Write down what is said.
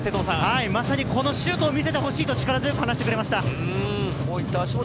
まさにそのシュートを見せてほしいと力強く話してくれました。